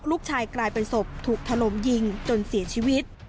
กลายเป็นศพถูกถล่มยิงจนเสียชีวิต